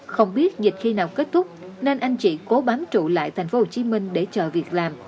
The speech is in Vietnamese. không biết dịch khi nào kết thúc nên anh chị cố bám trụ lại tp hcm để chờ việc làm